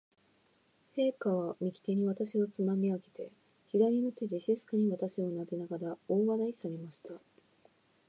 陛下は、右手に私をつまみ上げて、左の手で静かに私をなでながら、大笑いされました。